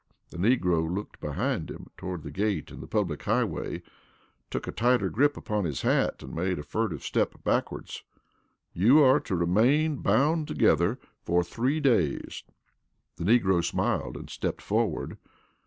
The negro looked behind him toward the gate and the public highway, took a tighter grip upon his hat, and made a furtive step backward. "You are to remain bound together for three days." The negro smiled and stepped forward.